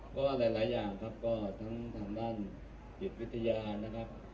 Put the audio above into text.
ก็หลายหลายอย่างครับก็ทั้งธรรมนั่นจิตวิทยานะครับ